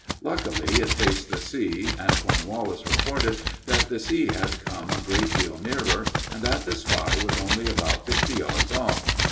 Luckily it faced the sea, and Cornwallis reported that the sea had come a great deal nearer, and that the spy was only about fifty yards off.